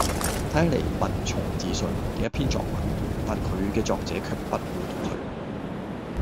睇起嚟文從字順嘅一篇作文，但佢嘅作者卻不會讀佢